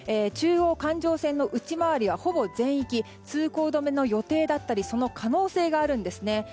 中央環状線の内回りはほぼ全域通行止めの予定だったりその可能性があるんですね。